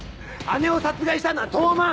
姉を殺害したのは東卍！